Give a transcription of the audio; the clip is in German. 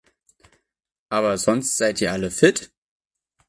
Aber sonst seid ihr alle fit?